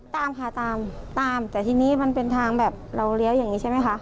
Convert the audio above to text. ตามค่ะตามตามแต่ทีนี้มันเป็นทางแบบเราเลี้ยวอย่างนี้ใช่ไหมคะ